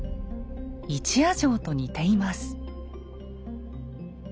一夜城と似ています。